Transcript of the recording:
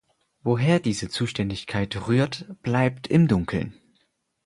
Woher diese Zuständigkeit rührt, bleibt im Dunkeln.